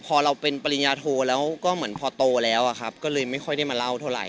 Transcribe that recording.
พอเราเป็นปริญญาโทแล้วก็เหมือนพอโตแล้วอะครับก็เลยไม่ค่อยได้มาเล่าเท่าไห